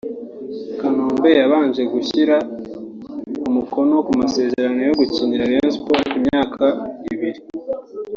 Kanombe yabanje gushyira umukono ku masezerano yo gukinira Rayon Sport imyaka ibiri